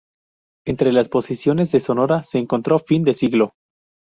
Entre las proposiciones de Sonora se encontró Fin de siglo.